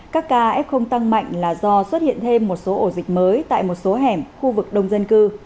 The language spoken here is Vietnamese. các ca f tăng mạnh là do xuất hiện thêm một số ổ dịch mới tại một số hẻm khu vực đông dân cư